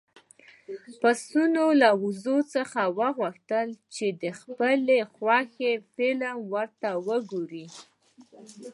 پسونه له وزې څخه وغوښتل چې د خپلې خوښې فلم ورته وګوري.